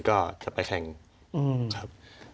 ก็จะไปแข่งอื่นครับ